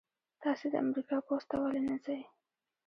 تاسې د امریکا پوځ ته ولې نه ځئ؟